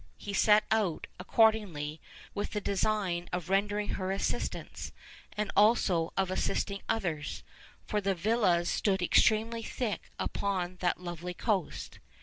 He set out, accordingly, with the design of rendering her assistance, and also of assisting others, 'for the villas stood extremely thick upon that lovely coast.